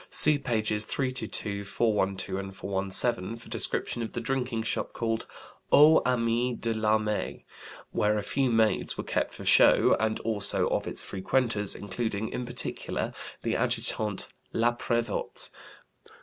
See pages 322, 412, and 417 for description of the drinking shop called 'Aux Amis de l'Armée,' where a few maids were kept for show, and also of its frequenters, including, in particular, the Adjutant Laprévotte.